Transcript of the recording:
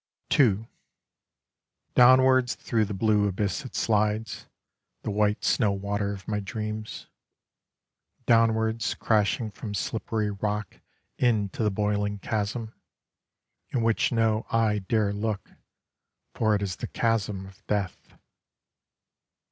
II Downwards through the blue abyss it slides, The white snow water of my dreams, Downwards crashing from slippery rock Into the boiling chasm: In which no eye dare look, for it is the chasm of death.